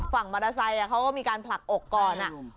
ฝั่งมอเตอร์ไซค์เขาก็มีการผลักอกก่อน